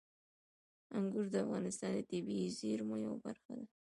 انګور د افغانستان د طبیعي زیرمو یوه برخه ده.